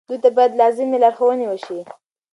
دوی ته باید لازمې لارښوونې وشي.